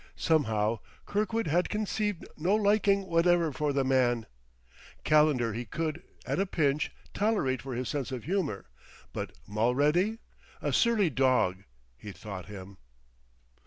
Somehow, Kirkwood had conceived no liking whatever for the man; Calendar he could, at a pinch, tolerate for his sense of humor, but Mulready ! "A surly dog," he thought him.